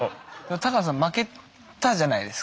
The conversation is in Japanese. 学仁さん負けたじゃないですか。